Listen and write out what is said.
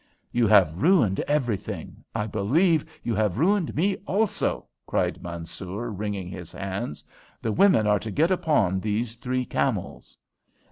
"You have ruined everything. I believe you have ruined me also!" cried Mansoor, wringing his hands. "The women are to get upon these three camels."